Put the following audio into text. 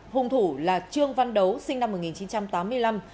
hùng thủ là trương văn đấu sinh năm một nghìn chín trăm tám mươi năm